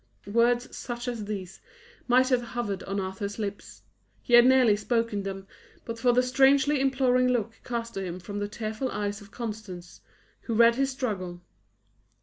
Words such as these might have hovered on Arthur's lips; he had nearly spoken them, but for the strangely imploring look cast to him from the tearful eyes of Constance, who read his struggle.